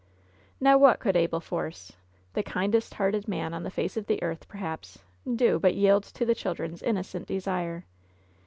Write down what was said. Now what could Abel Force — the kindest hearted man on the face of the earth, perhaps — do but yield to the children's innocent desire